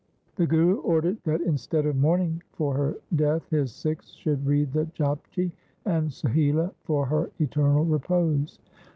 The Guru ordered that instead of mourning for her death his Sikhs should read the Japji and Sohila for her eternal repose.